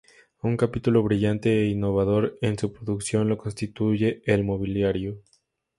Un capítulo brillante e innovador en su producción lo constituye el mobiliario.